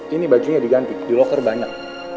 ini bajunya diganti di loker banyak